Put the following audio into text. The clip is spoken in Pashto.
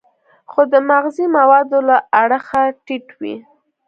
خو د مغذي موادو له اړخه ټیټ وي.